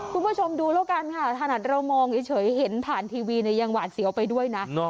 คุณผู้ชมดูแล้วกันค่ะถนัดเรามองเฉยเห็นผ่านทีวีเนี่ยยังหวาดเสียวไปด้วยนะ